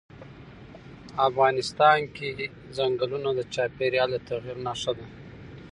افغانستان کې ځنګلونه د چاپېریال د تغیر نښه ده.